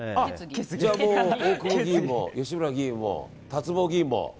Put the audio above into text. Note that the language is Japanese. じゃあ大久保議員も吉村議員も辰坊議員も。